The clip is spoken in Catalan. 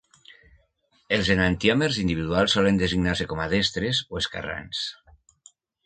Els enantiòmers individuals solen designar-se com a destres o esquerrans.